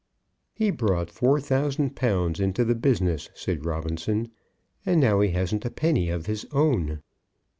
"He brought four thousand pounds into the business," said Robinson, "and now he hasn't a penny of his own."